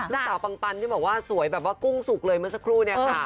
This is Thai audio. สาวปันปันที่บอกว่าพวกน้องหมา้สวยจะมบกลุ้งสุกเลยเมื่อสักครู่